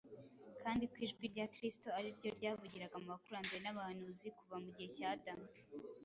kandi ko ijwi rya Kristo ari ryo ryavugiraga mu bakurambere n’abahanuzi kuva mu gihe cy’ Adamu.